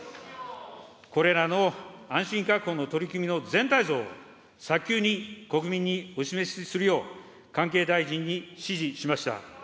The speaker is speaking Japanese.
これらの安心確保の取り組みの全体像を早急に国民にお示しするよう、関係大臣に指示しました。